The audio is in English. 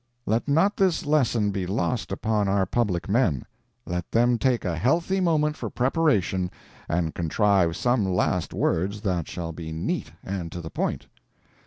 Let not this lesson be lost upon our public men. Let them take a healthy moment for preparation, and contrive some last words that shall be neat and to the point.